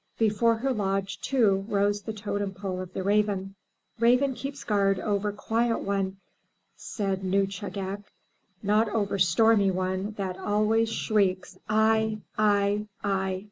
Before her lodge, too, rose the totem pole of the raven. "Raven keeps guard over quiet one,'' said Nuschagak,'' not over stormy one that always shrieks I! I! I!